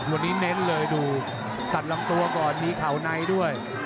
วันนี้เน้นเลยดูตัดลำตัวก่อนมีเข่าในด้วย